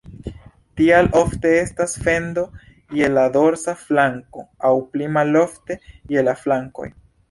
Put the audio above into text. Tial ofte estas fendo je la dorsa flanko aŭ pli malofte je la flankoj.